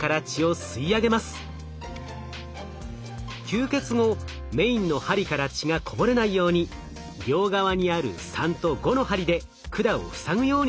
吸血後メインの針から血がこぼれないように両側にある３と５の針で管を塞ぐようにします。